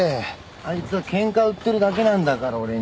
あいつはケンカ売ってるだけなんだから俺に。